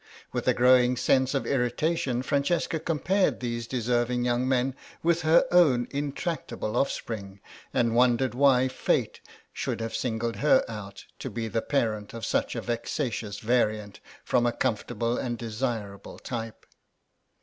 With a growing sense of irritation Francesca compared these deserving young men with her own intractable offspring, and wondered why Fate should have singled her out to be the parent of such a vexatious variant from a comfortable and desirable type.